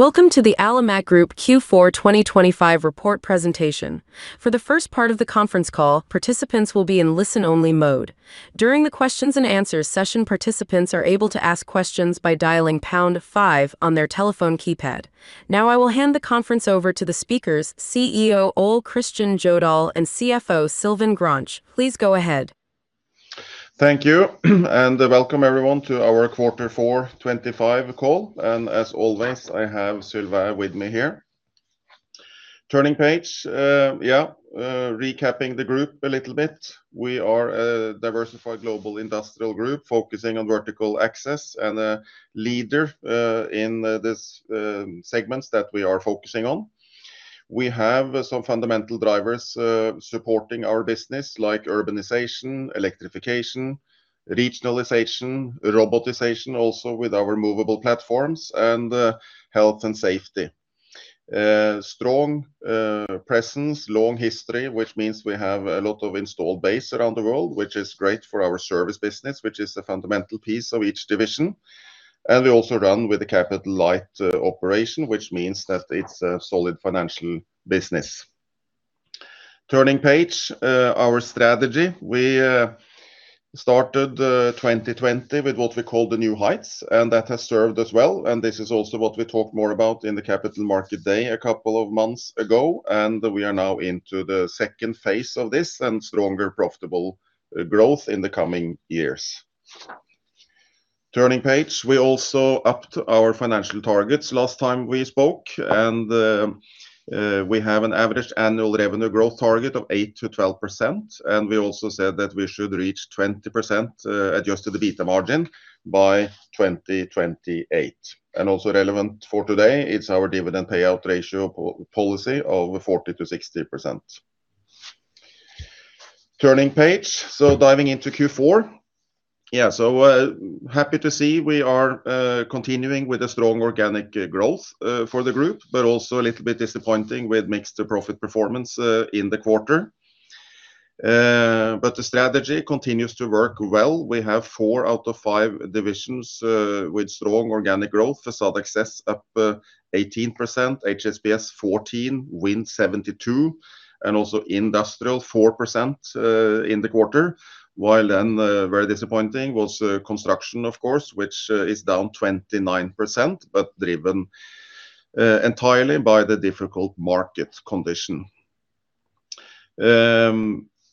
Welcome to the Alimak Group Q4 2025 Report Presentation. For the first part of the conference call, participants will be in listen-only mode. During the questions-and-answers session, participants are able to ask questions by dialing pound five on their telephone keypad. Now I will hand the conference over to the speakers, CEO Ole Kristian Jødahl and CFO Sylvain Grange. Please go ahead. Thank you, and welcome everyone to our Q4 2025 call, and as always I have Sylvain with me here. Turning page, yeah, recapping the group a little bit. We are a diversified global industrial group focusing on vertical access and a leader in these segments that we are focusing on. We have some fundamental drivers supporting our business like urbanization, electrification, regionalization, robotization also with our movable platforms, and health and safety. Strong presence, long history, which means we have a lot of installed base around the world, which is great for our service business, which is a fundamental piece of each division. And we also run with a capital light operation, which means that it's a solid financial business. Turning page, our strategy. We started 2020 with what we call the New Heights, and that has served us well, and this is also what we talked more about in the Capital Markets Day a couple of months ago, and we are now into the second phase of this and stronger profitable growth in the coming years. Turning page, we also upped our financial targets last time we spoke, and we have an average annual revenue growth target of 8%-12%, and we also said that we should reach 20% adjusted EBITA margin by 2028. And also relevant for today, it's our dividend payout ratio policy of 40%-60%. Turning page, so diving into Q4. Yeah, so happy to see we are continuing with a strong organic growth for the group, but also a little bit disappointing with mixed profit performance in the quarter. but the strategy continues to work well. We have four out of five divisions, with strong organic growth: Facade Access up 18%, HSPS 14%, Wind 72%, and also Industrial 4%, in the quarter. While then, very disappointing was Construction, of course, which is down 29% but driven entirely by the difficult market condition.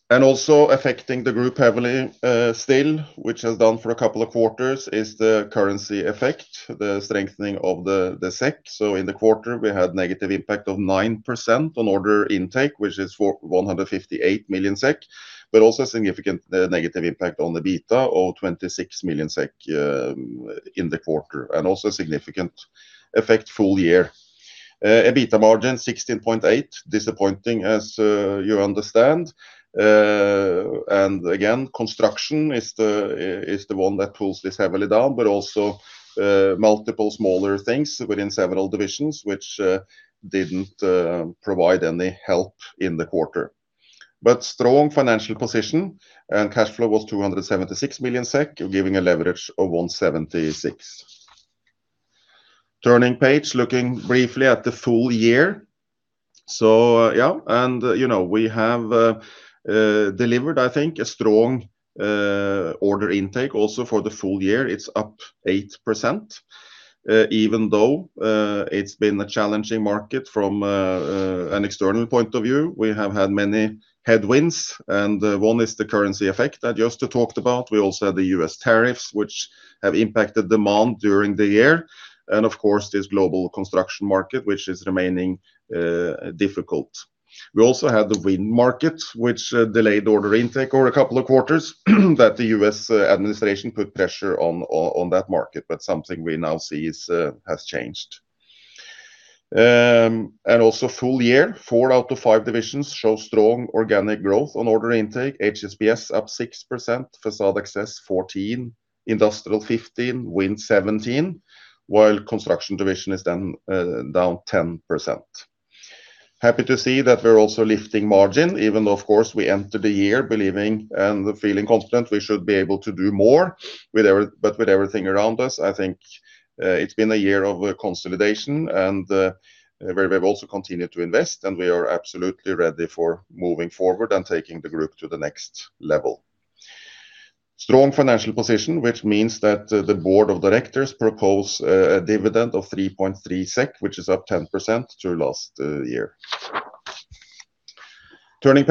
And also affecting the group heavily, still, which has done for a couple of quarters, is the currency effect, the strengthening of the SEK. So in the quarter we had negative impact of 9% on order intake, which is for 158 million SEK, but also a significant negative impact on the EBITA of 26 million SEK, in the quarter, and also a significant effect full year. An EBITA margin 16.8%, disappointing as you understand. And again, Construction is the one that pulls this heavily down, but also multiple smaller things within several divisions which didn't provide any help in the quarter. But strong financial position and cash flow was 276 million SEK, giving a leverage of 1.76. Turning page, looking briefly at the full year. So, yeah, and you know, we have delivered, I think, a strong order intake also for the full year. It's up 8%, even though it's been a challenging market from an external point of view. We have had many headwinds, and one is the currency effect I just talked about. We also had the U.S. tariffs which have impacted demand during the year, and of course this global construction market which is remaining difficult. We also had the wind market which delayed order intake over a couple of quarters that the U.S. administration put pressure on, on that market, but something we now see is, has changed. And also full year, four out of five divisions show strong organic growth on order intake, HSPS up 6%, Facade Access 14%, Industrial 15%, Wind 17%, while Construction division is then, down 10%. Happy to see that we're also lifting margin even though, of course, we entered the year believing and feeling confident we should be able to do more with every but with everything around us. I think, it's been a year of, consolidation and, where we've also continued to invest and we are absolutely ready for moving forward and taking the group to the next level. Strong financial position, which means that the board of directors propose a dividend of 3.3 SEK, which is up 10% to last year. Turning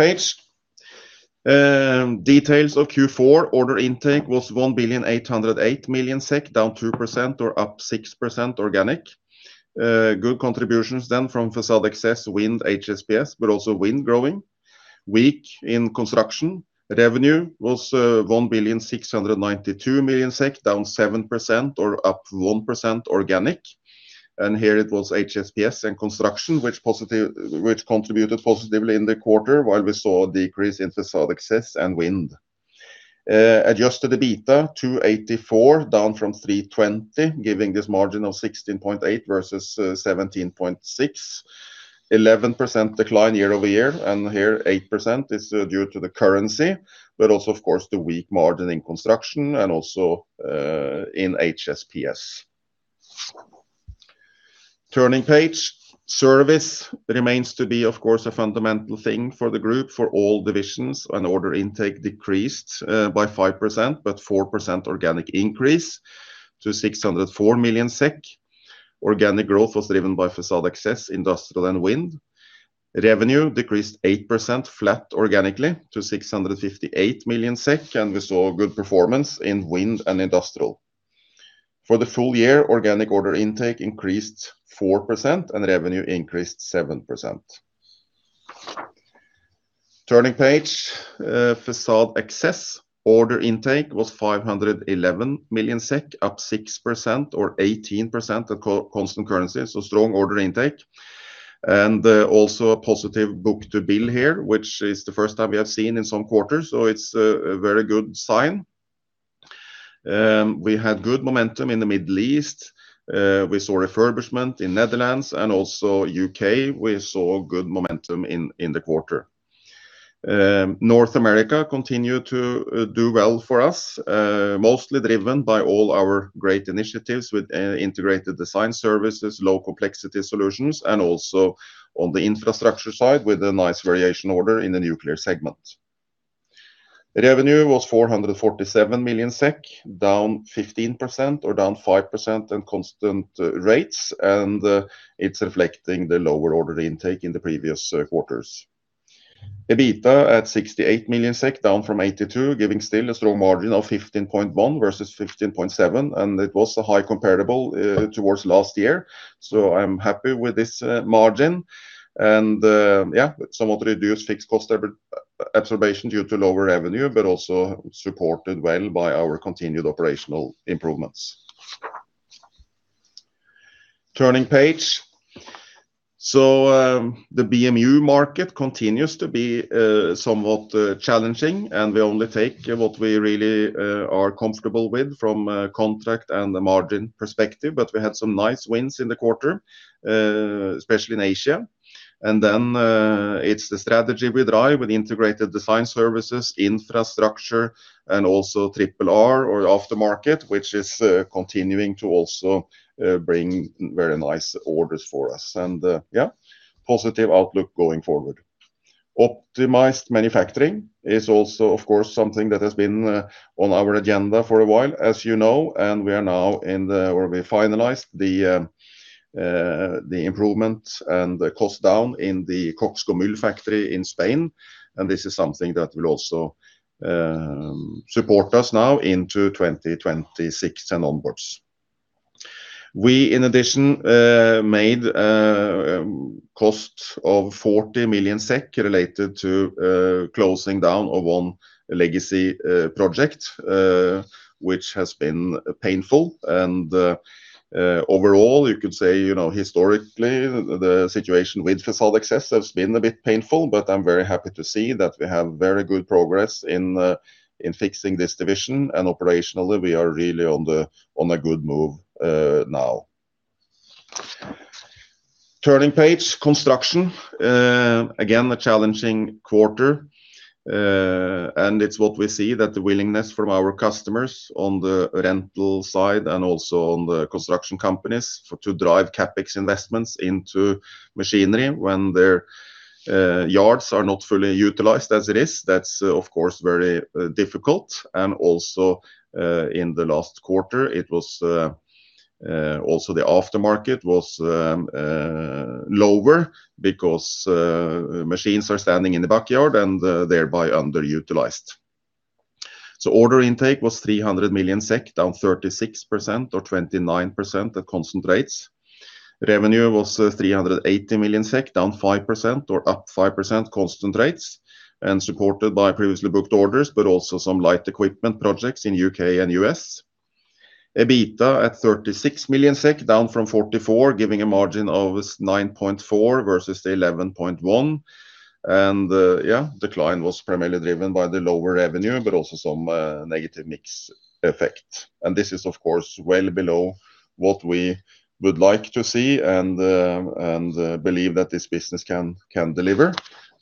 page. Details of Q4, order intake was 1,808 million SEK, down 2% or up 6% organic. Good contributions then from Facade Access, Wind, HSPS, but also wind growing. Weak in Construction, revenue was 1,692 million SEK, down 7% or up 1% organic. And here it was HSPS and Construction which positive which contributed positively in the quarter while we saw a decrease in Facade Access and Wind. Adjusted EBITA 284, down from 320, giving this margin of 16.8% versus 17.6%. 11% decline year-over-year, and here 8% is due to the currency, but also, of course, the weak margin in Construction and also in HSPS. Turning page. Service remains to be, of course, a fundamental thing for the group for all divisions and order intake decreased by 5% but 4% organic increase to 604 million SEK. Organic growth was driven by Facade Access, Industrial, and Wind. Revenue decreased 8% flat organically to 658 million SEK, and we saw good performance in Wind and Industrial. For the full year, organic order intake increased 4% and revenue increased 7%. Turning page. Facade Access order intake was 511 million SEK, up 6% or 18% at constant currency, so strong order intake. And also a positive book-to-bill here which is the first time we have seen in some quarters, so it's a very good sign. We had good momentum in the Middle East. We saw refurbishment in Netherlands and also U.K. We saw good momentum in the quarter. North America continued to do well for us, mostly driven by all our great initiatives with integrated design services, low complexity solutions, and also on the infrastructure side with a nice variation order in the nuclear segment. Revenue was 447 million SEK, down 15% or down 5% at constant rates, and it's reflecting the lower order intake in the previous quarters. EBITDA at 68 million SEK, down from 82 million, giving still a strong margin of 15.1% versus 15.7%, and it was a high comparable towards last year, so I'm happy with this margin. Yeah, somewhat reduced fixed cost absorption due to lower revenue, but also supported well by our continued operational improvements. Turning page. So, the BMU market continues to be, somewhat, challenging, and we only take what we really, are comfortable with from a contract and a margin perspective, but we had some nice wins in the quarter, especially in Asia. And then, it's the strategy we drive with integrated design services, infrastructure, and also Triple-R or aftermarket which is, continuing to also, bring very nice orders for us. And, yeah, positive outlook going forward. Optimized manufacturing is also, of course, something that has been, on our agenda for a while, as you know, and we are now in the where we finalized the, the improvement and the cost down in the CoxGomyl factory in Spain, and this is something that will also, support us now into 2026 and onwards. We, in addition, made, cost of 40 million SEK related to, closing down of one legacy, project, which has been painful. Overall you could say, you know, historically the situation with Facade Access has been a bit painful, but I'm very happy to see that we have very good progress in fixing this division, and operationally we are really on a good move, now. Turning page. Construction. Again a challenging quarter. And it's what we see that the willingness from our customers on the rental side and also on the construction companies for to drive CapEx investments into machinery when their yards are not fully utilized as it is, that's of course very difficult. And also, in the last quarter it was also the aftermarket was lower because machines are standing in the backyard and thereby underutilized. So order intake was 300 million SEK, down 36% or 29% at constant rates. Revenue was 380 million SEK, down 5% or up 5% constant rates and supported by previously booked orders but also some light equipment projects in U.K. and U.S. EBITDA at 36 million SEK, down from 44 million, giving a margin of 9.4% versus the 11.1%. And, yeah, decline was primarily driven by the lower revenue but also some negative mix effect. And this is, of course, well below what we would like to see and believe that this business can deliver,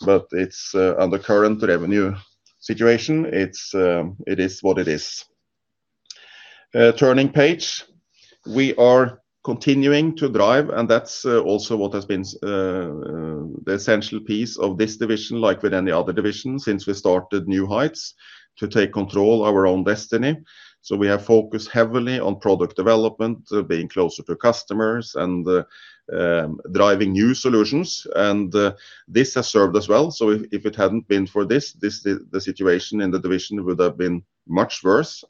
but it's under current revenue situation; it is what it is. Turning the page. We are continuing to drive, and that's also what has been the essential piece of this division like with any other division since we started New Heights to take control of our own destiny. So we have focused heavily on product development, being closer to customers and driving new solutions, and this has served us well. So if it hadn't been for this, the situation in the division would have been much worse,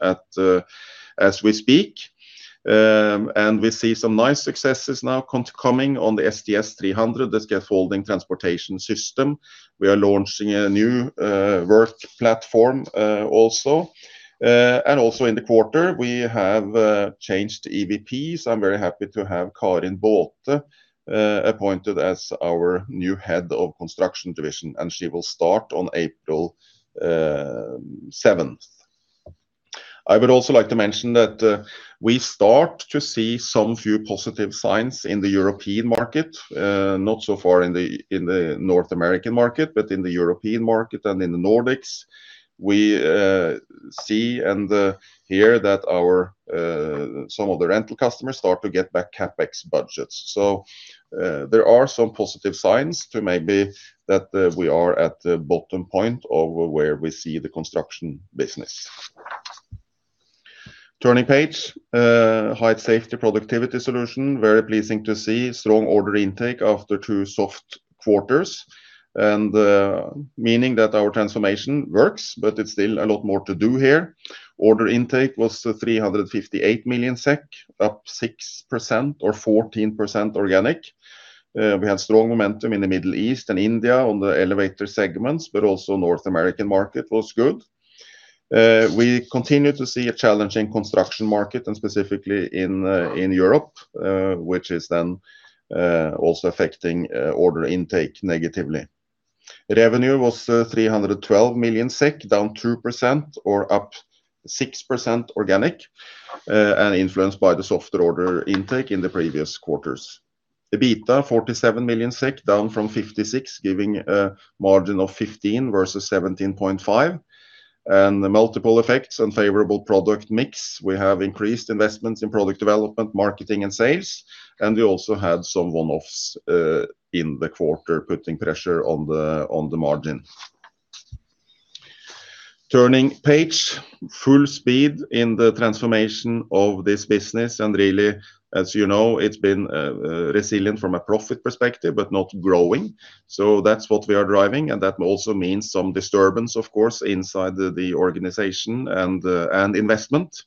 as we speak. We see some nice successes now coming on the STS 300, the Scaffolding Transportation System. We are launching a new work platform, also. Also in the quarter we have changed EVPs. I'm very happy to have Karin Bååthe appointed as our new head of Construction division, and she will start on April 7th. I would also like to mention that we start to see some few positive signs in the European market, not so far in the North American market but in the European market and in the Nordics. We see and hear that some of our rental customers start to get back CapEx budgets. So, there are some positive signs that maybe we are at the bottom point of where we see the construction business. Turning page. Height Safety and Productivity Solutions, very pleasing to see strong order intake after two soft quarters and, meaning that our transformation works, but it's still a lot more to do here. Order intake was 358 million SEK, up 6% or 14% organic. We had strong momentum in the Middle East and India on the elevator segments, but also North American market was good. We continue to see a challenging construction market and specifically in Europe, which is also affecting order intake negatively. Revenue was 312 million SEK, down 2% or up 6% organic, and influenced by the softer order intake in the previous quarters. EBITDA 47 million SEK, down from 56 million, giving a margin of 15% versus 17.5%. And multiple effects and favorable product mix. We have increased investments in product development, marketing, and sales, and we also had some one-offs in the quarter putting pressure on the margin. Turning page. Full speed in the transformation of this business and really, as you know, it's been resilient from a profit perspective but not growing. So that's what we are driving, and that also means some disturbance, of course, inside the organization and investment.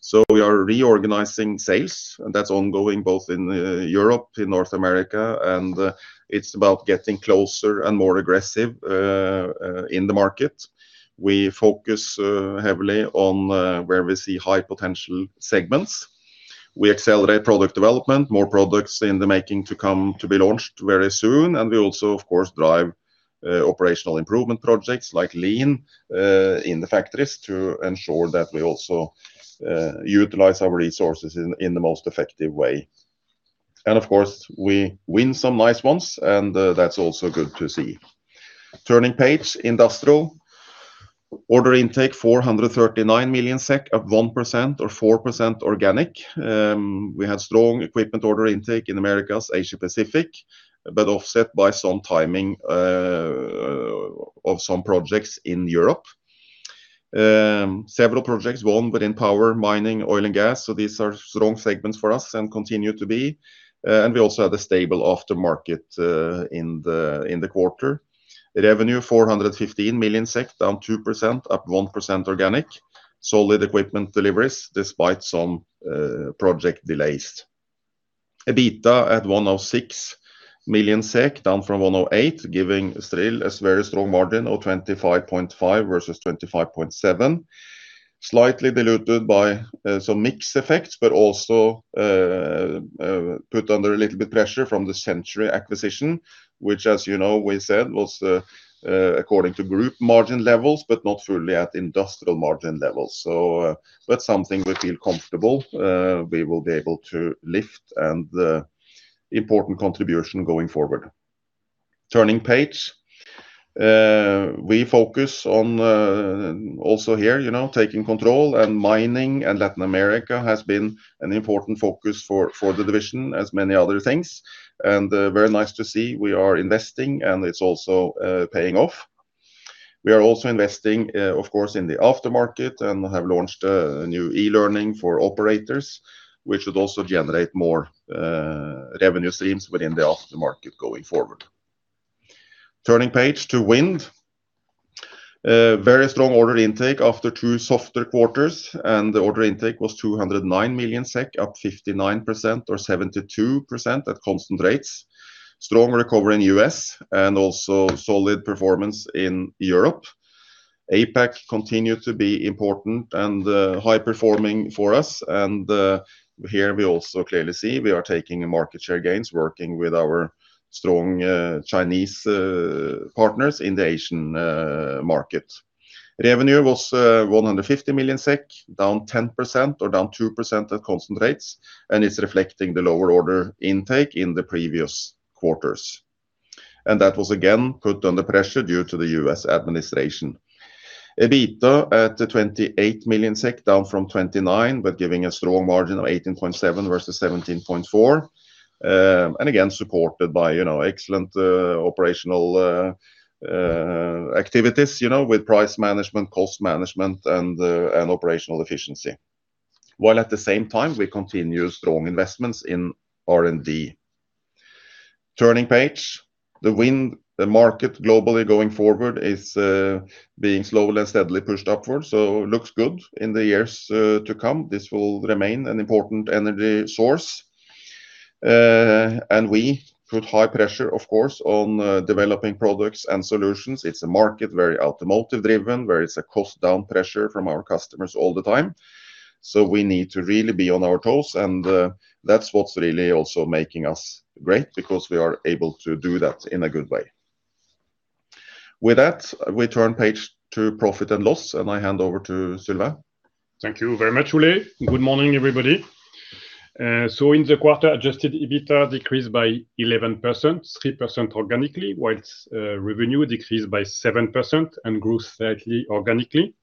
So we are reorganizing sales, and that's ongoing both in Europe, in North America, and it's about getting closer and more aggressive in the market. We focus heavily on where we see high potential segments. We accelerate product development, more products in the making to come to be launched very soon, and we also, of course, drive operational improvement projects like lean in the factories to ensure that we also utilize our resources in the most effective way. And of course, we win some nice ones, and that's also good to see. Turning page. Industrial. Order intake 439 million SEK, up 1% or 4% organic. We had strong equipment order intake in America's Asia-Pacific but offset by some timing of some projects in Europe. Several projects won within power, mining, oil, and gas, so these are strong segments for us and continue to be. And we also had a stable aftermarket in the quarter. Revenue 415 million SEK, down 2%, up 1% organic. Solid equipment deliveries despite some project delays. EBITDA at 106 million SEK, down from 108 million, giving still a very strong margin of 25.5% versus 25.7%. Slightly diluted by some mix effects but also put under a little bit pressure from the Century acquisition which, as you know, we said was according to group margin levels but not fully at industrial margin levels. So but something we feel comfortable we will be able to lift and important contribution going forward. Turning page. We focus on also here, you know, taking control and mining and Latin America has been an important focus for the division as many other things. And very nice to see we are investing and it's also paying off. We are also investing, of course, in the aftermarket and have launched new e-learning for operators which would also generate more revenue streams within the aftermarket going forward. Turning page to wind. Very strong order intake after two softer quarters and the order intake was 209 million SEK, up 59% or 72% at constant rates. Strong recovery in U.S. and also solid performance in Europe. APAC continued to be important and high performing for us, and here we also clearly see we are taking market share gains working with our strong Chinese partners in the Asian market. Revenue was 150 million SEK, down 10% or down 2% at constant rates, and it's reflecting the lower order intake in the previous quarters. That was again put under pressure due to the U.S. administration. EBITDA at 28 million SEK, down from 29 but giving a strong margin of 18.7% versus 17.4%. And again supported by, you know, excellent operational activities, you know, with price management, cost management, and operational efficiency. While at the same time we continue strong investments in R&D. Turning page. The wind market globally going forward is being slowly and steadily pushed upward, so looks good in the years to come. This will remain an important energy source. We put high pressure, of course, on developing products and solutions. It's a market very automotive driven where it's a cost down pressure from our customers all the time. So we need to really be on our toes, and that's what's really also making us great because we are able to do that in a good way. With that, we turn page to profit and loss, and I hand over to Sylvain. Thank you very much, Ole. Good morning, everybody. In the quarter adjusted EBITDA decreased by 11%, 3% organically, while revenue decreased by 7% and grew slightly organically.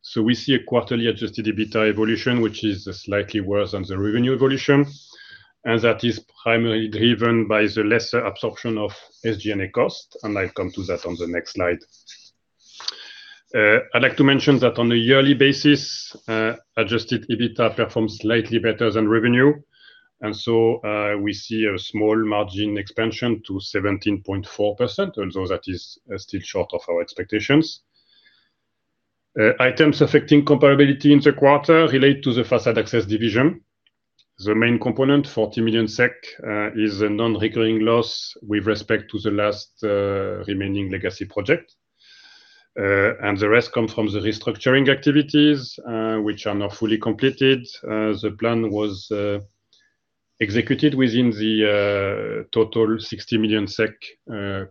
So we see a quarterly adjusted EBITDA evolution which is slightly worse than the revenue evolution, and that is primarily driven by the lesser absorption of SG&A cost, and I'll come to that on the next slide. I'd like to mention that on a yearly basis, adjusted EBITDA performs slightly better than revenue, and so, we see a small margin expansion to 17.4%, although that is still short of our expectations. Items Affecting Comparability in the quarter relate to the Facade Access division. The main component, 40 million SEK, is a non-recurring loss with respect to the last, remaining legacy project. And the rest come from the restructuring activities, which are not fully completed. The plan was, executed within the, total 60 million SEK,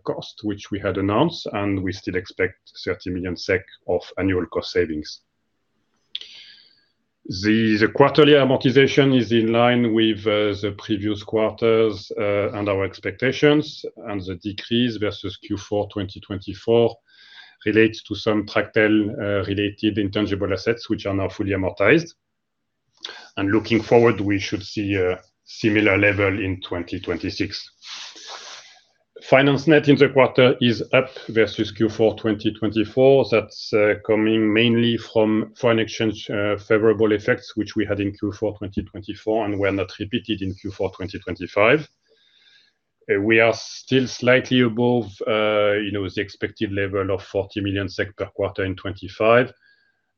cost which we had announced, and we still expect 30 million SEK of annual cost savings. The quarterly amortization is in line with the previous quarters and our expectations, and the decrease versus Q4 2024 relates to some fact that related intangible assets which are not fully amortized. Looking forward, we should see a similar level in 2026. Finance net in the quarter is up versus Q4 2024. That's coming mainly from foreign exchange favorable effects which we had in Q4 2024 and were not repeated in Q4 2025. We are still slightly above, you know, the expected level of 40 million SEK per quarter in 2025,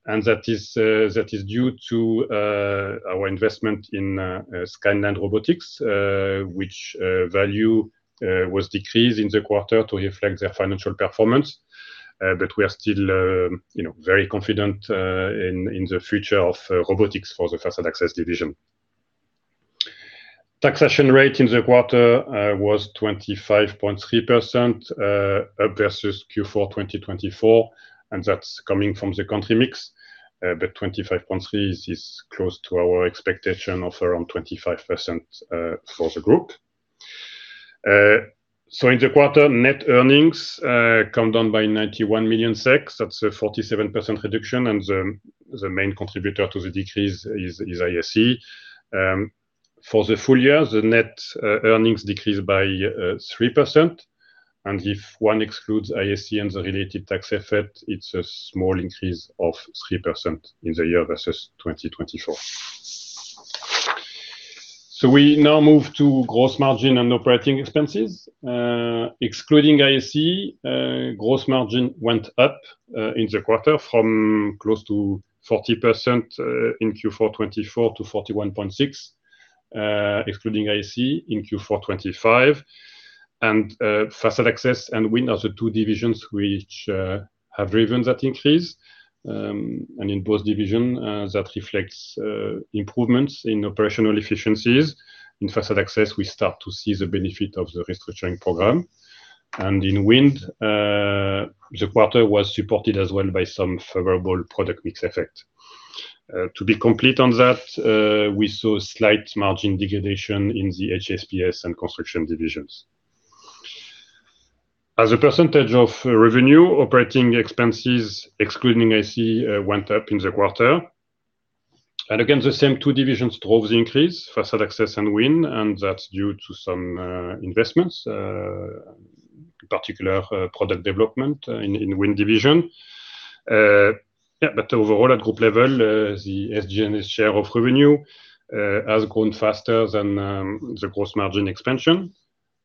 and that is due to our investment in Skyline Robotics, which value was decreased in the quarter to reflect their financial performance. But we are still, you know, very confident in the future of robotics for the Facade Access division. Taxation rate in the quarter was 25.3%, up versus Q4 2024, and that's coming from the country mix, but 25.3% is close to our expectation of around 25% for the group. So in the quarter, net earnings come down by 91 million SEK. That's a 47% reduction, and the main contributor to the decrease is IAC. For the full year, the net earnings decreased by 3%, and if one excludes IAC and the related tax effect, it's a small increase of 3% in the year versus 2024. So we now move to gross margin and operating expenses. Excluding IAC, gross margin went up in the quarter from close to 40% in Q4 2024 to 41.6% excluding IAC in Q4 2025. And Facade Access and Wind are the two divisions which have driven that increase. In both divisions, that reflects improvements in operational efficiencies. In Facade Access, we start to see the benefit of the restructuring program. And in Wind, the quarter was supported as well by some favorable product mix effect. To be complete on that, we saw slight margin degradation in the HSPS and construction divisions. As a percentage of revenue, operating expenses excluding IAC went up in the quarter. And again, the same two divisions drove the increase, Facade Access and Wind, and that's due to some investments, in particular, product development in Wind division. Yeah, but overall at group level, the SG&A share of revenue has grown faster than the gross margin expansion,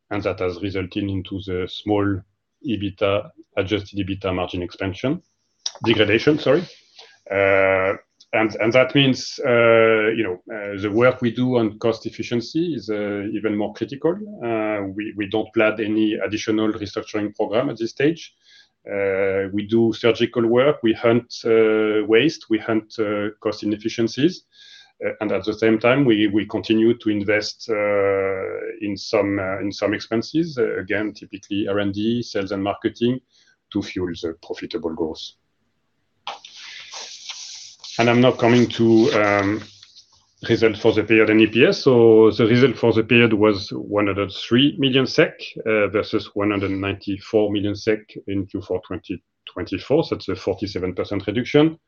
and that has resulted into the small EBITDA adjusted EBITDA margin expansion degradation, sorry. And that means, you know, the work we do on cost efficiency is even more critical. We don't plan any additional restructuring program at this stage. We do surgical work. We hunt waste. We hunt cost inefficiencies. And at the same time, we continue to invest in some expenses, again, typically R&D, sales, and marketing to fuel the profitable growth. And I'm now coming to the result for the period in EPS, so the result for the period was 103 million SEK versus 194 million SEK in Q4 2024. That's a 47% reduction.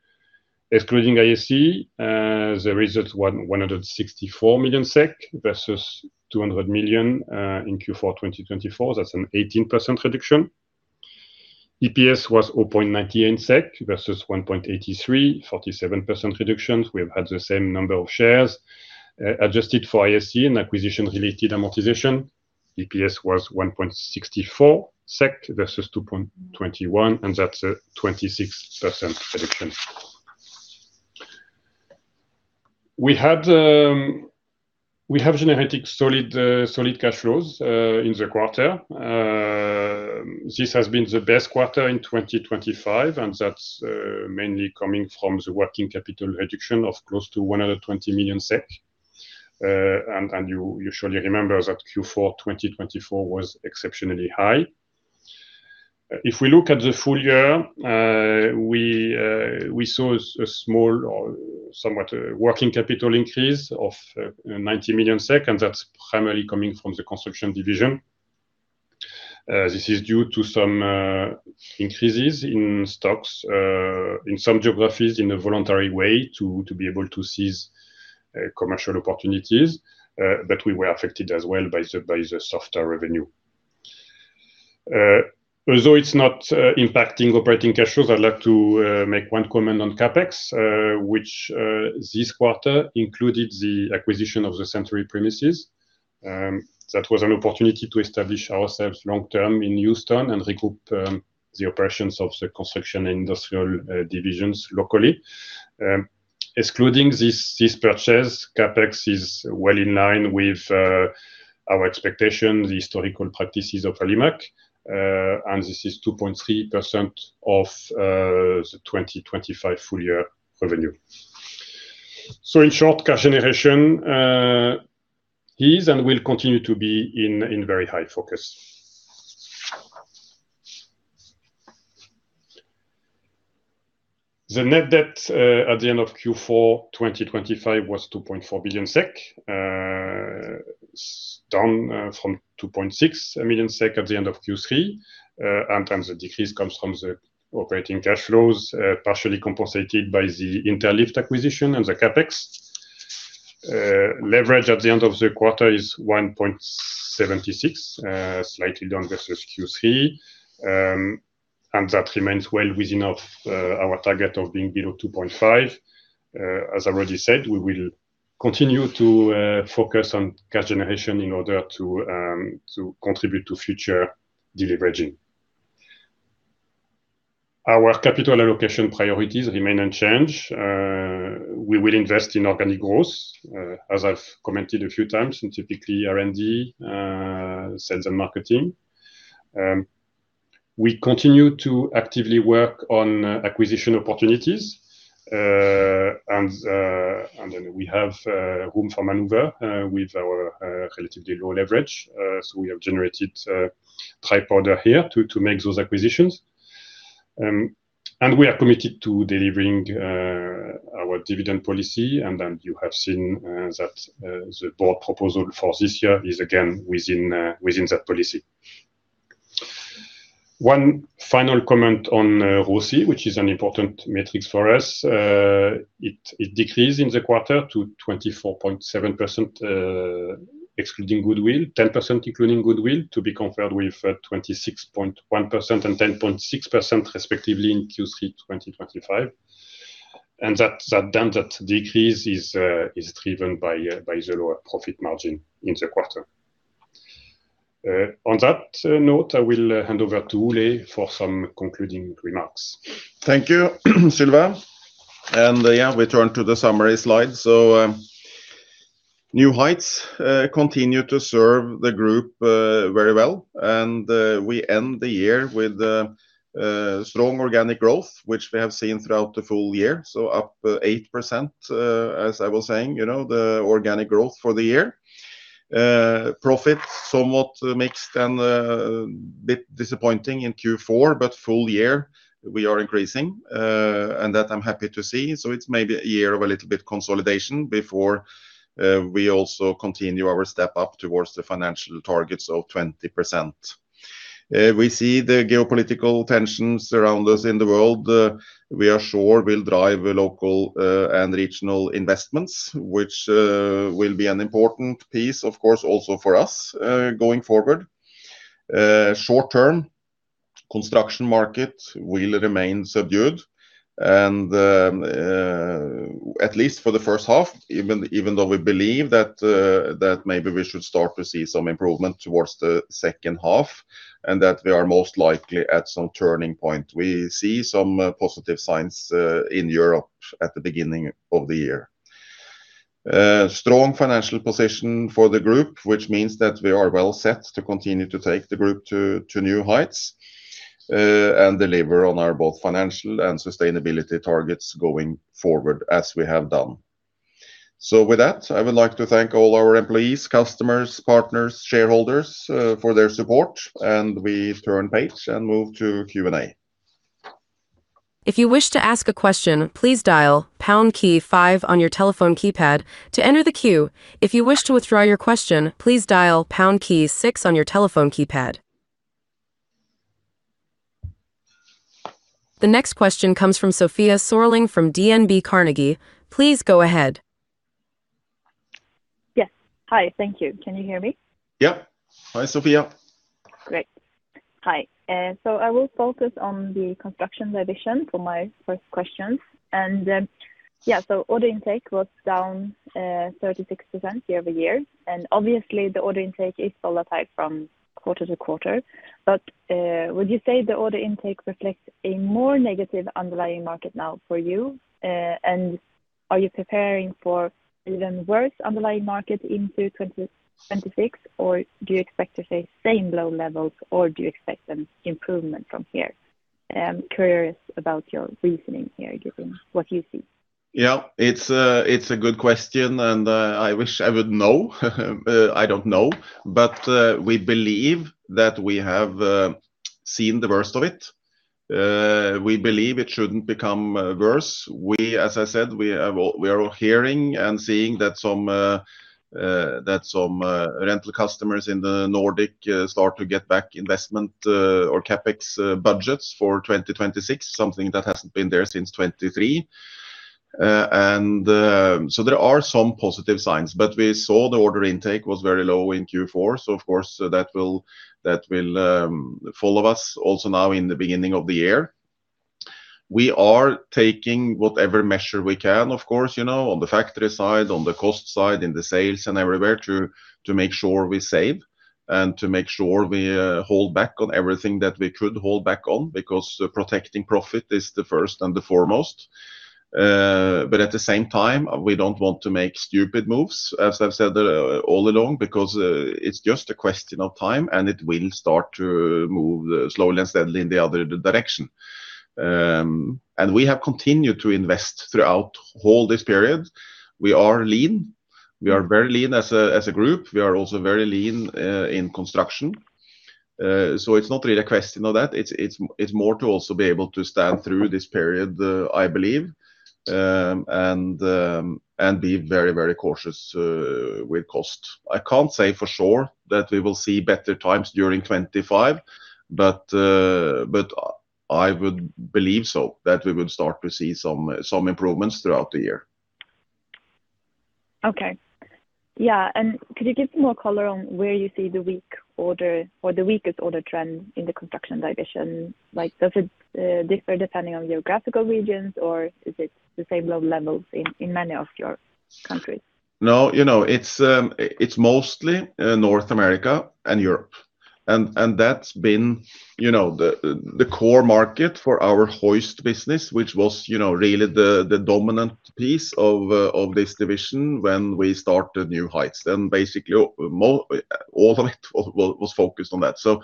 Excluding IAC, the result was 164 million SEK versus 200 million in Q4 2024. That's an 18% reduction. EPS was 0.98 SEK versus 1.83 SEK, 47% reduction. We have had the same number of shares. Adjusted for IAC and acquisition-related amortization, EPS was 1.64 SEK versus 2.21 SEK, and that's a 26% reduction. We have generated solid cash flows in the quarter. This has been the best quarter in 2025, and that's mainly coming from the working capital reduction of close to 120 million SEK. And you surely remember that Q4 2024 was exceptionally high. If we look at the full year, we saw a small or somewhat a working capital increase of 90 million, and that's primarily coming from the construction division. This is due to some increases in stocks in some geographies in a voluntary way to be able to seize commercial opportunities, but we were affected as well by the softer revenue. Although it's not impacting operating cash flows, I'd like to make one comment on CapEx, which this quarter included the acquisition of the Century premises. That was an opportunity to establish ourselves long-term in Houston and regroup the operations of the construction and industrial divisions locally. Excluding this purchase, CapEx is well in line with our expectations, the historical practices of Alimak, and this is 2.3% of the 2025 full year revenue. So in short, cash generation is and will continue to be in very high focus. The net debt at the end of Q4 2025 was 2.4 billion SEK, down from 2.6 million SEK at the end of Q3, and the decrease comes from the operating cash flows, partially compensated by the Interlift acquisition and the CapEx. Leverage at the end of the quarter is 1.76%, slightly down versus Q3, and that remains well within our target of being below 2.5%. As I already said, we will continue to focus on cash generation in order to contribute to future deleveraging. Our capital allocation priorities remain unchanged. We will invest in organic growth, as I've commented a few times, and typically R&D, sales and marketing. We continue to actively work on acquisition opportunities, and then we have room for maneuver with our relatively low leverage. So we have generated headroom here to make those acquisitions. And we are committed to delivering our dividend policy, and then you have seen that the board proposal for this year is again within that policy. One final comment on ROCE, which is an important metric for us. It decreased in the quarter to 24.7%, excluding goodwill, 10% including goodwill, to be compared with 26.1% and 10.6% respectively in Q3 2025. And that decrease is driven by the lower profit margin in the quarter. On that note, I will hand over to Ole for some concluding remarks. Thank you, Sylvain. Yeah, we turn to the summary slide. So, New Heights continue to serve the group very well, and we end the year with strong organic growth which we have seen throughout the full year, so up 8%, as I was saying, you know, the organic growth for the year. Profit somewhat mixed and a bit disappointing in Q4, but full year we are increasing, and that I'm happy to see. So it's maybe a year of a little bit consolidation before we also continue our step up towards the financial targets of 20%. We see the geopolitical tensions around us in the world. We are sure will drive local and regional investments which will be an important piece, of course, also for us, going forward. Short term, the construction market will remain subdued, and, at least for the first half, even though we believe that maybe we should start to see some improvement towards the second half and that we are most likely at some turning point. We see some positive signs in Europe at the beginning of the year. Strong financial position for the group, which means that we are well set to continue to take the group to new heights, and deliver on our both financial and sustainability targets going forward as we have done. So with that, I would like to thank all our employees, customers, partners, shareholders, for their support, and we turn page and move to Q&A. If you wish to ask a question, please dial pound key five on your telephone keypad to enter the queue. If you wish to withdraw your question, please dial pound key 6 on your telephone keypad. The next question comes from Sofia Sörling from DNB Carnegie. Please go ahead. Yes. Hi. Thank you. Can you hear me? Yep. Hi, Sofia. Great. Hi. So I will focus on the construction division for my first question. And yeah, so order intake was down 36% year-over-year. And obviously, the order intake is volatile from quarter to quarter. But would you say the order intake reflects a more negative underlying market now for you? And are you preparing for even worse underlying market into 2026, or do you expect to stay same low levels, or do you expect an improvement from here? I'm curious about your reasoning here given what you see. Yeah. It's a good question, and I wish I would know. I don't know. But we believe that we have seen the worst of it. We believe it shouldn't become worse. We, as I said, we are all hearing and seeing that some rental customers in the Nordics start to get back investment or CapEx budgets for 2026, something that hasn't been there since 2023. And so there are some positive signs. But we saw the order intake was very low in Q4, so of course that will follow us also now in the beginning of the year. We are taking whatever measure we can, of course, you know, on the factory side, on the cost side, in the sales and everywhere to make sure we save and to make sure we hold back on everything that we could hold back on because protecting profit is the first and the foremost. But at the same time, we don't want to make stupid moves, as I've said all along, because it's just a question of time, and it will start to move slowly and steadily in the other direction. And we have continued to invest throughout all this period. We are lean. We are very lean as a as a group. We are also very lean in construction. So it's not really a question of that. It's it's it's more to also be able to stand through this period, I believe, and and be very, very cautious with cost. I can't say for sure that we will see better times during 2025. But but I would believe so, that we would start to see some some improvements throughout the year. Okay. Yeah. And could you give some more color on where you see the weak order or the weakest order trend in the construction division? Like, does it differ depending on geographical regions, or is it the same low levels in many of your countries? No, you know, it's mostly North America and Europe. And that's been, you know, the core market for our hoist business, which was, you know, really the dominant piece of this division when we started New Heights. Basically, all of it was focused on that. So, you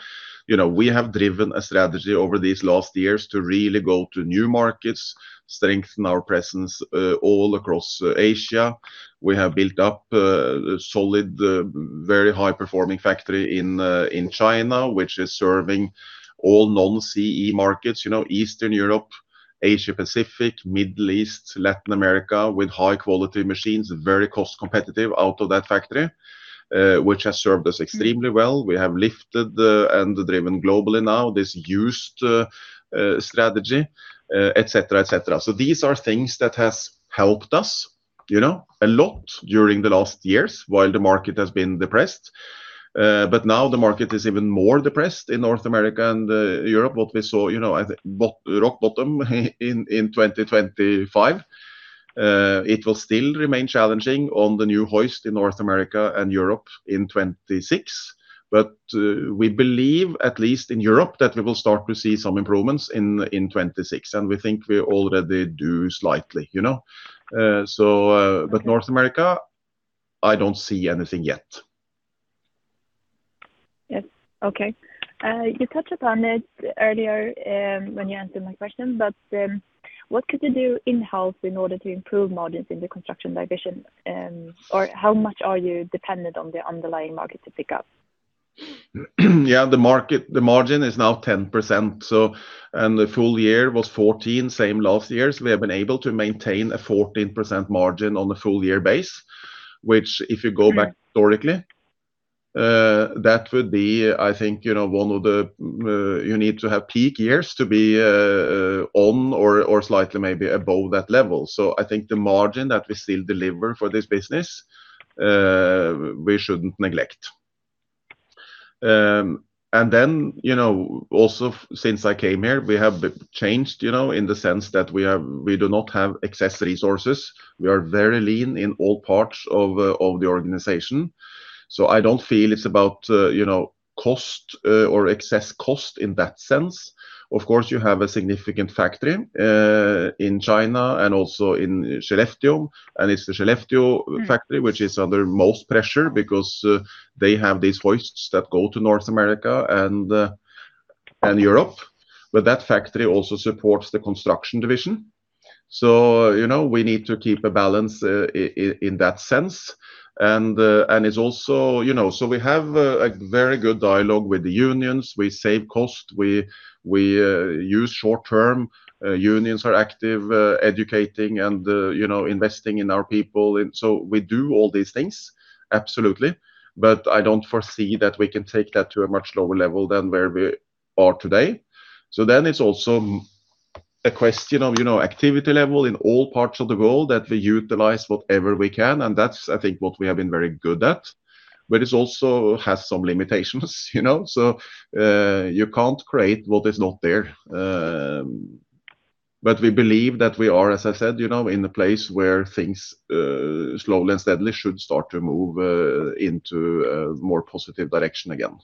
know, we have driven a strategy over these last years to really go to new markets, strengthen our presence, all across Asia. We have built up a solid, very high-performing factory in China, which is serving all non-CE markets, you know, Eastern Europe, Asia-Pacific, Middle East, Latin America, with high-quality machines, very cost-competitive out of that factory, which has served us extremely well. We have lifted and driven globally now this used strategy, etc., etc. So these are things that have helped us, you know, a lot during the last years while the market has been depressed. But now the market is even more depressed in North America and Europe, what we saw, you know, at rock bottom in 2025. It will still remain challenging on the new hoist in North America and Europe in 2026. But we believe, at least in Europe, that we will start to see some improvements in 2026, and we think we already do slightly, you know. So, but North America, I don't see anything yet. Yes. Okay. You touched upon it earlier, when you answered my question, but what could you do in-house in order to improve margins in the construction division, or how much are you dependent on the underlying market to pick up? Yeah. The market the margin is now 10%, so and the full year was 14, same last year. So we have been able to maintain a 14% margin on a full year base, which if you go back historically, that would be, I think, you know, one of the, you need to have peak years to be, on or or slightly maybe above that level. So I think the margin that we still deliver for this business, we shouldn't neglect. Then, you know, also since I came here, we have changed, you know, in the sense that we do not have excess resources. We are very lean in all parts of the organization. So I don't feel it's about, you know, cost or excess cost in that sense. Of course, you have a significant factory in China and also in Skellefteå, and it's the Skellefteå factory, which is under most pressure because they have these hoists that go to North America and Europe. But that factory also supports the construction division. So, you know, we need to keep a balance in that sense. And it's also, you know, so we have a very good dialogue with the unions. We save cost. We use short term. Unions are active, educating and, you know, investing in our people. So we do all these things, absolutely. But I don't foresee that we can take that to a much lower level than where we are today. So then it's also a question of, you know, activity level in all parts of the world that we utilize whatever we can, and that's, I think, what we have been very good at. But it also has some limitations, you know. So, you can't create what is not there. But we believe that we are, as I said, you know, in a place where things, slowly and steadily should start to move into more positive direction again.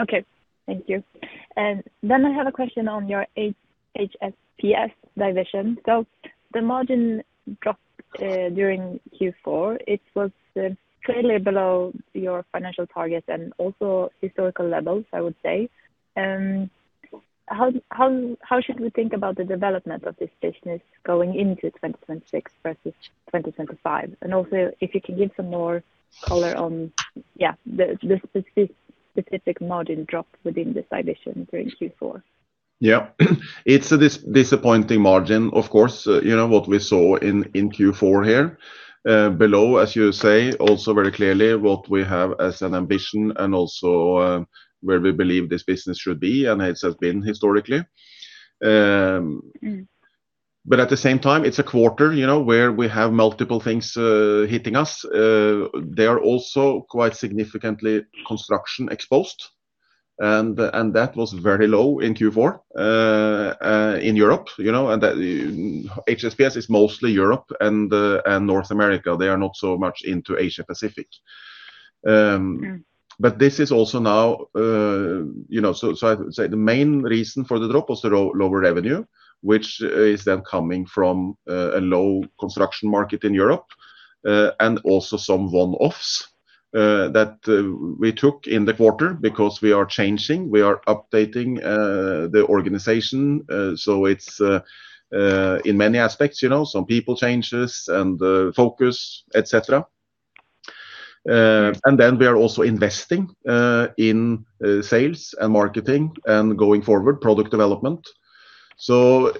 Okay. Thank you. And then I have a question on your HSPS division. So the margin dropped during Q4. It was clearly below your financial targets and also historical levels, I would say. How should we think about the development of this business going into 2026 versus 2025? And also, if you can give some more color on, yeah, the specific margin drop within this division during Q4. Yeah. It's a disappointing margin, of course, you know, what we saw in Q4 here, below, as you say, also very clearly what we have as an ambition and also, where we believe this business should be, and it has been historically. But at the same time, it's a quarter, you know, where we have multiple things hitting us. They are also quite significantly construction exposed, and that was very low in Q4, in Europe, you know. And that HSPS is mostly Europe and North America. They are not so much into Asia-Pacific. But this is also now, you know, so so I'd say the main reason for the drop was the lower revenue, which is then coming from a low construction market in Europe, and also some one-offs that we took in the quarter because we are changing. We are updating the organization. So it's, in many aspects, you know, some people changes and focus, etc. And then we are also investing in sales and marketing and going forward, product development. So,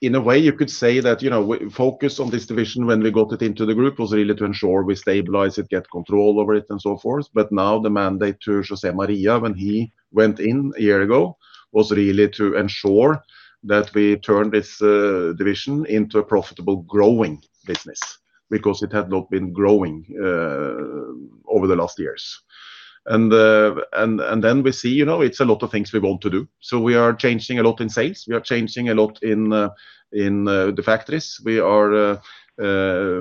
in a way, you could say that, you know, focus on this division when we got it into the group was really to ensure we stabilize it, get control over it, and so forth. But now the mandate to José María, when he went in a year ago, was really to ensure that we turned this division into a profitable growing business because it had not been growing over the last years. And then we see, you know, it's a lot of things we want to do. So we are changing a lot in sales. We are changing a lot in the factories. We are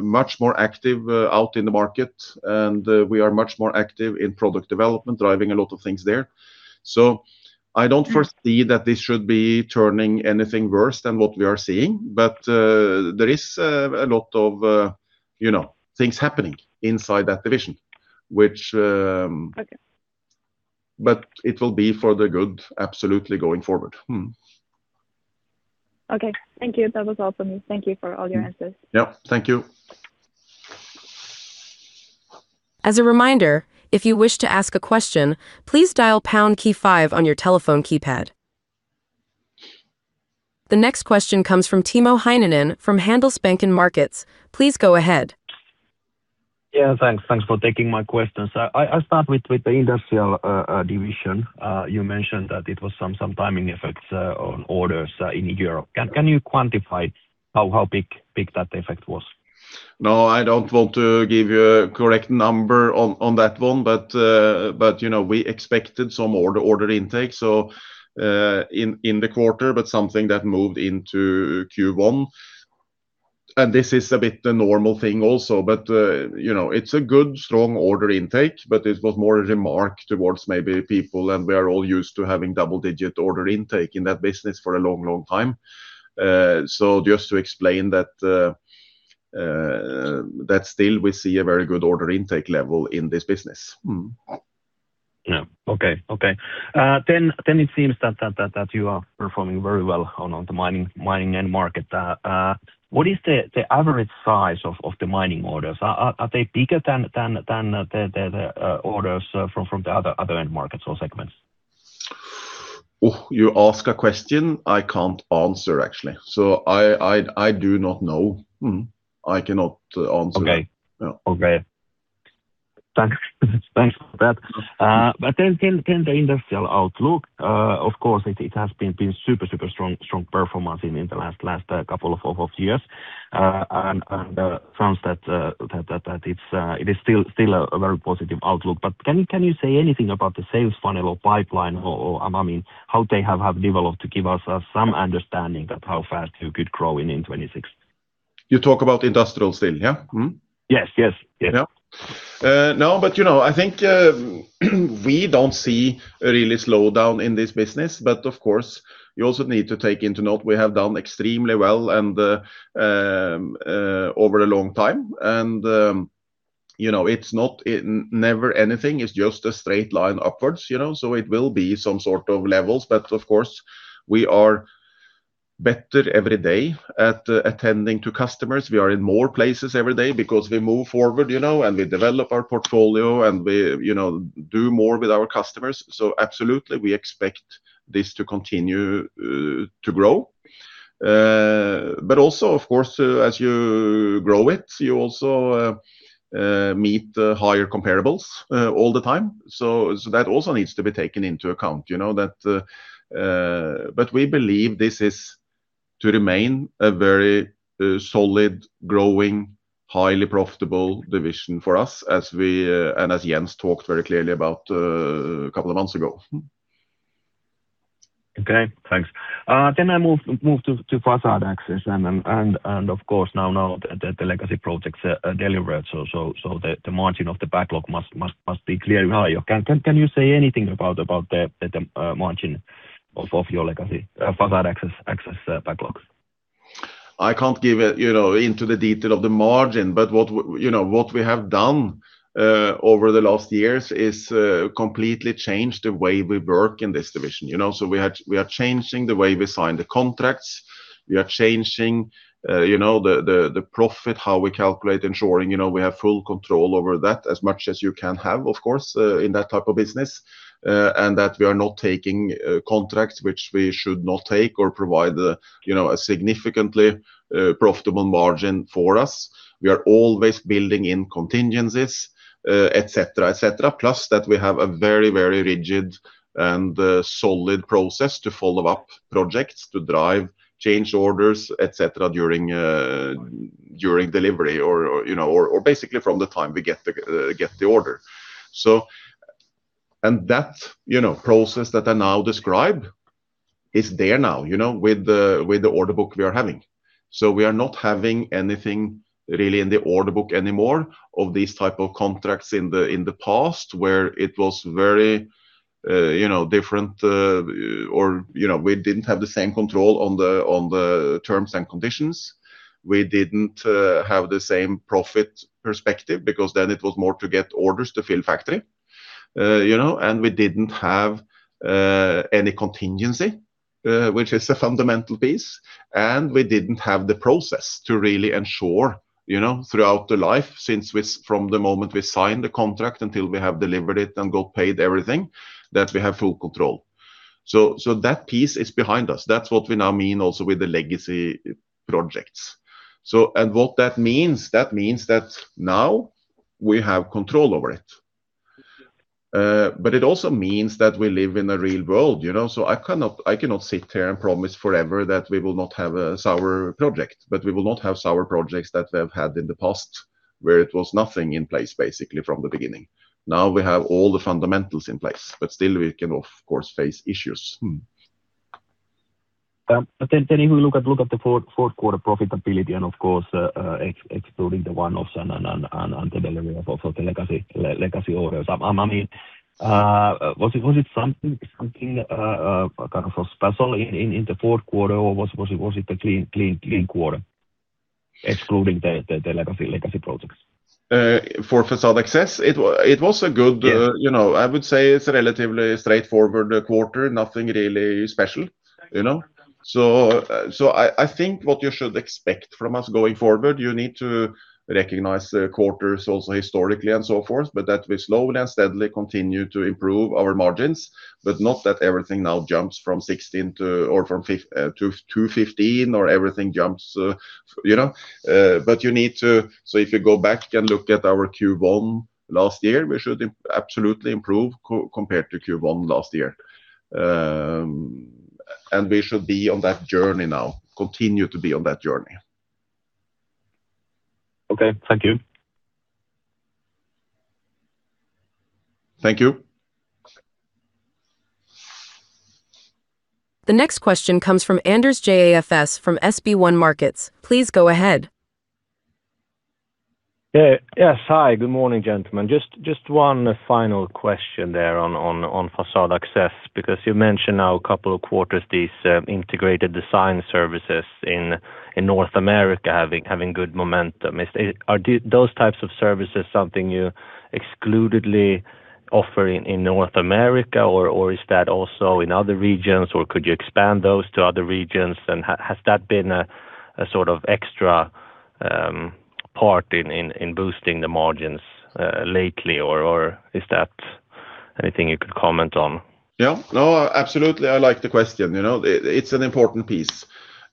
much more active out in the market, and we are much more active in product development, driving a lot of things there. So I don't foresee that this should be turning anything worse than what we are seeing, but there is a lot of, you know, things happening inside that division, which, okay. But it will be for the good, absolutely, going forward. Okay. Thank you. That was all from me. Thank you for all your answers. Yeah. Thank you. As a reminder, if you wish to ask a question, please dial pound key five on your telephone keypad. The next question comes from Timo Heinonen from Handelsbanken Markets. Please go ahead. Yeah. Thanks. Thanks for taking my questions. I start with the industrial division. You mentioned that it was some timing effects on orders in Europe. Can you quantify how big that effect was? No, I don't want to give you a correct number on that one, but, you know, we expected some order intake, so in the quarter, but something that moved into Q1. This is a bit the normal thing also, but, you know, it's a good, strong order intake, but it was more a remark towards maybe people, and we are all used to having double-digit order intake in that business for a long, long time. So just to explain that, that still we see a very good order intake level in this business. Yeah. Okay. Okay. It seems that you are performing very well on the mining end market. What is the average size of the mining orders? Are they bigger than the orders from the other end markets or segments? Oh, you ask a question I can't answer, actually. So, I do not know. I cannot answer. Okay. Okay. Thanks. Thanks for that. The industrial outlook, of course, it has been super, super strong performance in the last couple of years. It sounds that it's still a very positive outlook. Can you say anything about the sales funnel or pipeline, or I mean, how they have developed to give us some understanding of how fast you could grow in 2026? You talk about industrial still, yeah? Yes. Yes. Yes. Yeah. No. You know, I think we don't see a really slowdown in this business. Of course, you also need to take into note we have done extremely well and over a long time. You know, it's not never anything. It's just a straight line upwards, you know. So it will be some sort of levels. Of course, we are better every day at attending to customers. We are in more places every day because we move forward, you know, and we develop our portfolio, and we, you know, do more with our customers. So absolutely, we expect this to continue to grow. But also, of course, as you grow it, you also meet higher comparables all the time. So that also needs to be taken into account, you know, that but we believe this is to remain a very solid, growing, highly profitable division for us, as we and as Jens talked very clearly about a couple of months ago. Okay. Thanks. Then I move to facade access. And, of course, now the legacy projects delivered, so the margin of the backlog must be clearly higher. Can you say anything about the margin of your legacy facade access backlog? I can't give it, you know, into the detail of the margin, but what, you know, what we have done over the last years has completely changed the way we work in this division, you know. So we are changing the way we sign the contracts. We are changing, you know, the profit, how we calculate, ensuring, you know, we have full control over that as much as you can have, of course, in that type of business, and that we are not taking contracts which we should not take or provide a significantly profitable margin for us. We are always building in contingencies, etc., etc., plus that we have a very, very rigid and solid process to follow up projects, to drive change orders, etc., during delivery or, you know, or basically from the time we get the order. So and that, you know, process that I now describe is there now, you know, with the order book we are having. So we are not having anything really in the order book anymore of these type of contracts in the past where it was very, you know, different or, you know, we didn't have the same control on the terms and conditions. We didn't have the same profit perspective because then it was more to get orders to fill factory, you know, and we didn't have any contingency, which is a fundamental piece. And we didn't have the process to really ensure, you know, throughout the life since we from the moment we sign the contract until we have delivered it and got paid everything, that we have full control. So that piece is behind us. That's what we now mean also with the legacy projects. So and what that means, that means that now we have control over it. But it also means that we live in a real world, you know. So I cannot sit here and promise forever that we will not have a sour project, but we will not have sour projects that we have had in the past where it was nothing in place, basically, from the beginning. Now we have all the fundamentals in place, but still we can, of course, face issues. Yeah. Then if we look at the fourth quarter profitability and, of course, excluding the one-offs and the delivery of the legacy orders, I mean, was it something kind of special in the fourth quarter, or was it a clean quarter excluding the legacy projects? For Façade Access, it was a good, you know. I would say it's a relatively straightforward quarter, nothing really special, you know. So I think what you should expect from us going forward, you need to recognize quarters also historically and so forth, but that we slowly and steadily continue to improve our margins, but not that everything now jumps from 16 to or from 215 or everything jumps, you know. But you need to so if you go back and look at our Q1 last year, we should absolutely improve compared to Q1 last year. And we should be on that journey now, continue to be on that journey. Okay. Thank you. Thank you. The next question comes from Anders Jåfs from SB1 Markets. Please go ahead. Yeah. Yes. Hi. Good morning, gentlemen. Just one final question there on façade access because you mentioned now a couple of quarters these integrated design services in North America having good momentum. Are those types of services something you exclusively offer in North America, or is that also in other regions, or could you expand those to other regions? And has that been a sort of extra part in boosting the margins lately, or is that anything you could comment on? Yeah. No, absolutely. I like the question, you know. It's an important piece.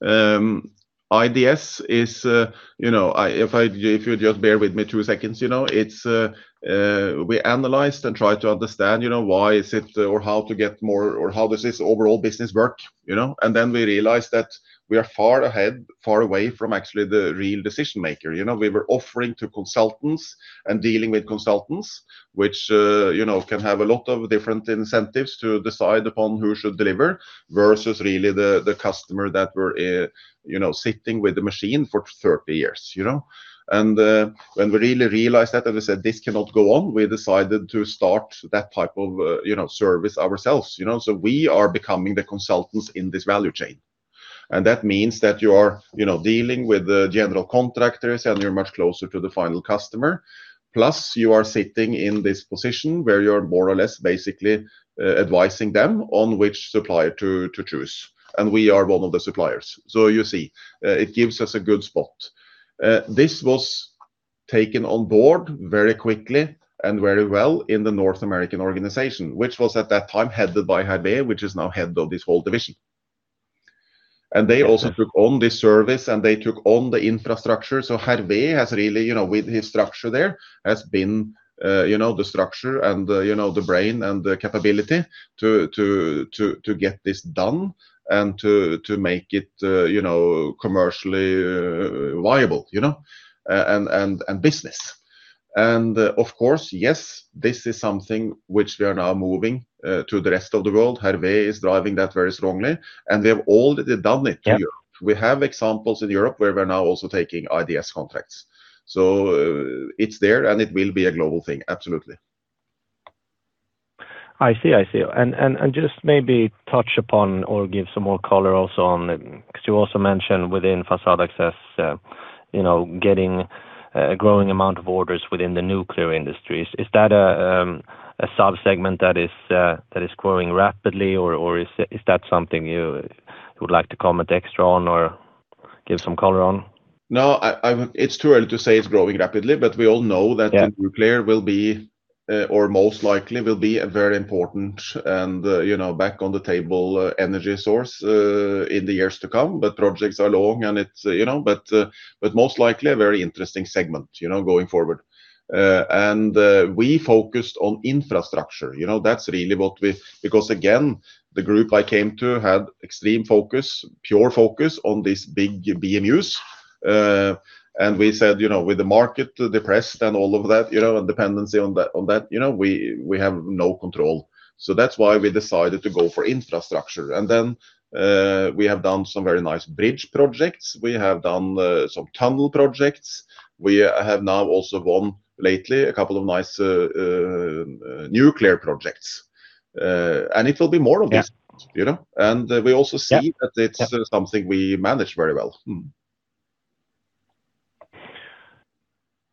IDS is, you know if you just bear with me two seconds, you know, it's we analyzed and tried to understand, you know, why is it or how to get more or how does this overall business work, you know. And then we realized that we are far ahead, far away from actually the real decision maker, you know. We were offering to consultants and dealing with consultants, which, you know, can have a lot of different incentives to decide upon who should deliver versus really the customer that were, you know, sitting with the machine for 30 years, you know. And when we really realized that and we said, "This cannot go on," we decided to start that type of, you know, service ourselves, you know. So we are becoming the consultants in this value chain. And that means that you are, you know, dealing with the general contractors, and you're much closer to the final customer. Plus, you are sitting in this position where you're more or less basically advising them on which supplier to choose. And we are one of the suppliers. So you see, it gives us a good spot. This was taken on board very quickly and very well in the North American organization, which was at that time headed by Hervé, which is now head of this whole division. They also took on this service, and they took on the infrastructure. So Hervé has really, you know, with his structure there, has been, you know, the structure and, you know, the brain and the capability to get this done and to make it, you know, commercially viable, you know, and business. Of course, yes, this is something which we are now moving to the rest of the world. Hervé is driving that very strongly. We have already done it in Europe. We have examples in Europe where we're now also taking IDS contracts. So it's there, and it will be a global thing, absolutely. I see. I see. And just maybe touch upon or give some more color also on because you also mentioned within facade access, you know, getting a growing amount of orders within the nuclear industries. Is that a subsegment that is growing rapidly, or is that something you would like to comment extra on or give some color on? No. It's too early to say it's growing rapidly, but we all know that the nuclear will be or most likely will be a very important and, you know, back on the table energy source in the years to come. But projects are long, and it's, you know but most likely a very interesting segment, you know, going forward. And we focused on infrastructure, you know. That's really what we because, again, the group I came to had extreme focus, pure focus on these big BMUs. We said, you know, with the market depressed and all of that, you know, and dependency on that, you know, we have no control. So that's why we decided to go for infrastructure. Then we have done some very nice bridge projects. We have done some tunnel projects. We have now also won lately a couple of nice nuclear projects. It will be more of this, you know. We also see that it's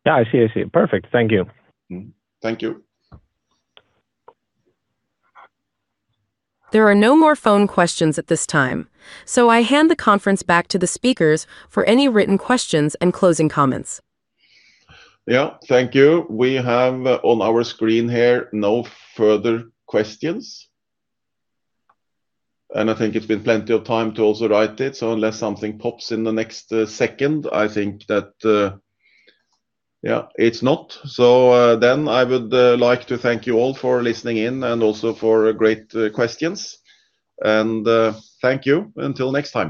something we manage very well. Yeah. I see. I see. Perfect. Thank you. Thank you. There are no more phone questions at this time, so I hand the conference back to the speakers for any written questions and closing comments. Yeah. Thank you. We have on our screen here no further questions. I think it's been plenty of time to also write it. Unless something pops in the next second, I think that, yeah, it's not. Then I would like to thank you all for listening in and also for great questions. Thank you. Until next time.